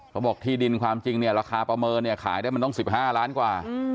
เขาบอกที่ดินความจริงเนี่ยราคาประเมินเนี่ยขายได้มันต้อง๑๕ล้านกว่า